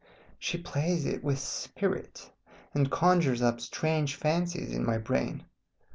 She plays it with spirit, and conjures up strange fancies in my brain.